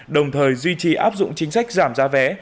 đồng thời duy trì áp dụng chính sách giảm giá vé